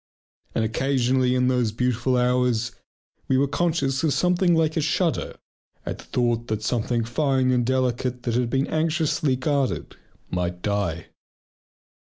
And occasionally in those beautiful hours we were conscious of something like a shudder at the thought that something fine and delicate that had been anxiously guarded might die.